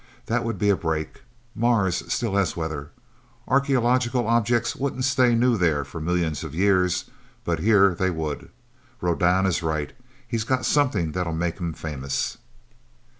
That would be a break! Mars still has weather. Archeological objects wouldn't stay new there for millions of years, but here they would! Rodan is right he's got something that'll make him famous!"